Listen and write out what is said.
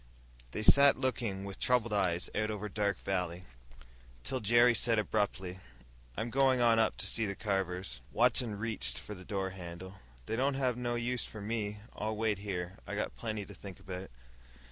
They sat looking with troubled eyes out over Dark Valley, till Jerry said abruptly, "I'm going on up to see the Carvers." Watson reached for the door handle. "They don't have no use for me. I'll wait here. I got plenty to think about."